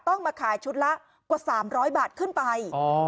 มาขายชุดละกว่า๓๐๐บาทขึ้นไป